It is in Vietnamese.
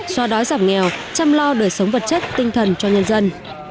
so đói giảm nghèo chăm lo đời sống vật chất tinh thần cho nhân dân